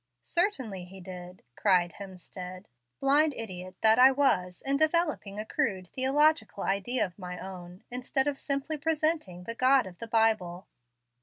"Certainly He did," cried Hemstead. "Blind idiot that I was in developing a crude theological idea of my own, instead of simply presenting the God of the Bible!